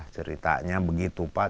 ceritanya begitu pak